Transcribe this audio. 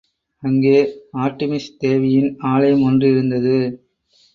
அங்கே ஆர்ட்டிமிஸ் தேவியின் ஆலயம் ஒன்றிருந்தது.